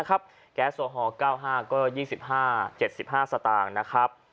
แก๊สโซฮอล์๙๕ก็๒๕๗๕สตางค์